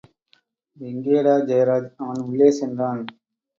எங்கேடா ஜெயராஜ்! அவன் உள்ளே சென்றான்.